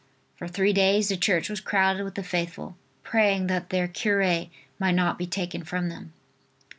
For three days the church was crowded with the faithful, praying that their cure might not be taken from them.